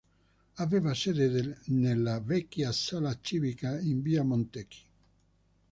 Aveva sede nella vecchia Sala Civica in via Montecchi.